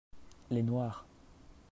les noirs.